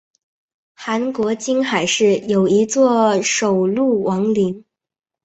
韩国金海市有一座首露王陵。